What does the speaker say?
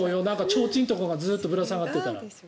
ちょうちんとかがずっとぶら下がっていたら。